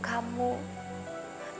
baik untuk kamu